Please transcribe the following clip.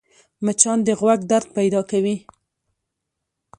مچان د غوږ درد پیدا کوي